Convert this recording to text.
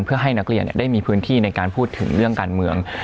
เพื่อให้นักเรียนได้มีพื้นที่ในการพูดถึงเรื่องการเมือง